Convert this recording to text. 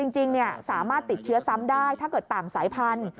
จริงสามารถติดเชื้อซ้ำได้ถ้าเกิดต่างสายพันธุ